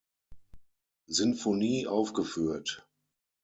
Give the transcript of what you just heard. Sinfonie aufgeführt.